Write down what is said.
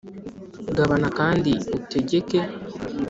gabana kandi utegeke